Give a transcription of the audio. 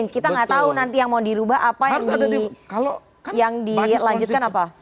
kita nggak tahu nanti yang mau dirubah apa yang dilanjutkan apa